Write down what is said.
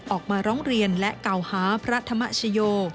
ออกมาร้องเรียนและเก่าหาพระธรรมชโย